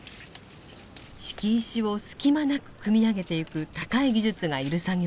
敷石を隙間なく組み上げてゆく高い技術が要る作業。